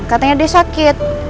katanya dia sakit